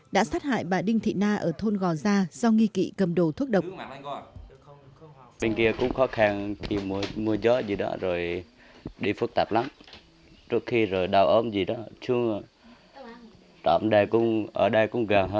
đã sát hại bà đinh thị na ở thôn gò gia do nghi kỵ cầm đồ thúc độc